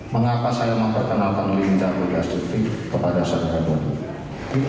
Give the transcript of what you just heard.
mengapa saya memperkenalkan linda pujastuti kepada saudara saudara